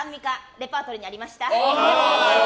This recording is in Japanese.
レパートリーにありました。